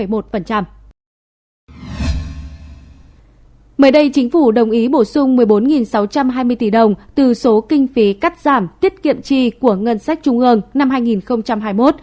mới đây chính phủ đồng ý bổ sung một mươi bốn sáu trăm hai mươi tỷ đồng từ số kinh phí cắt giảm tiết kiệm chi của ngân sách trung ương năm hai nghìn hai mươi một